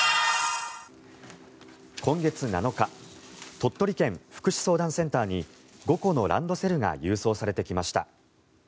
今月７日鳥取県福祉相談センターに５個のランドセルが郵送されてきました。